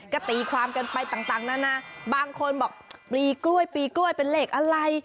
กระตีความเกินไปต่างนั้นนะบางคนบอกปลีกล้วยเป็นเหล็กอะไร